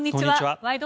「ワイド！